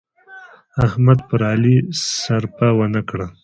احمد پر علي سرپه و نه کړه.